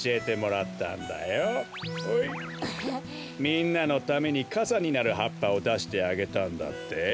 みんなのためにかさになるはっぱをだしてあげたんだって？